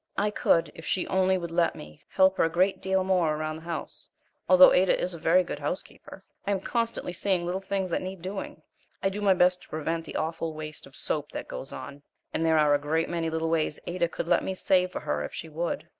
I could, if she only would let me, help her a great deal more around the house; although Ada is a very good housekeeper, I am constantly seeing little things that need doing. I do my best to prevent the awful waste of soap that goes on, and there are a great many little ways Ada could let me save for her if she would.